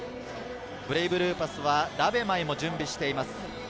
ブレイブルーパスはラベマイも準備しています。